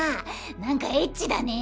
何かエッチだね。